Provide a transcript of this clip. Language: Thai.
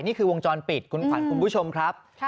นี่คือวงจรปิดคุณขวัญคุณผู้ชมครับ